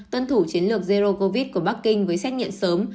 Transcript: tuân thủ chiến lược zero covid của bắc kinh với xét nghiệm sớm